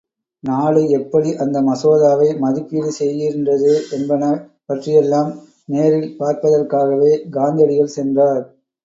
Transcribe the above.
நாடு எப்படி அந்த மசோதாவை மதிப்பீடு செய்கின்றது என்பன பற்றியெல்லாம் நேரில் பார்ப்பதற்காகவே காந்தியடிகள் சென்றார்.